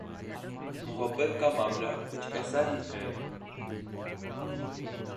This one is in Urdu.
محبت کا معاملہ کچھ ایسا ہی ہے۔